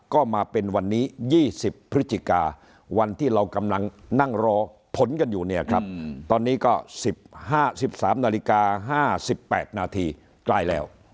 ก็มาเป็นวันนี้๒๐พฤศจิกาวันที่เรากำลังนั่งรอผลกันอยู่เนี่ยครับตอนนี้ก็๑๕๑๓นาฬิกา๕๘นาทีใกล้แล้ว